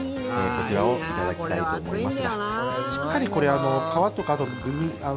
こちらをいただきたいと思います。